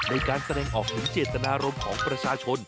ในการแสดงออกถึงเจตนารมณ์ของประชาชน